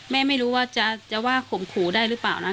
ไม่รู้ว่าจะว่าข่มขู่ได้หรือเปล่านะ